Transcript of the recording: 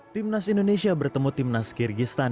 timnas indonesia bertemu timnas kyrgyzstan